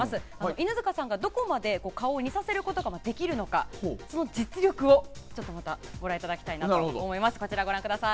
犬塚さんが、どこまで顔を似させることができるのかその実力をご覧いただきたいと思います。